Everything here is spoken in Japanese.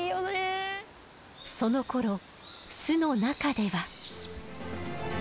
そのころ巣の中では。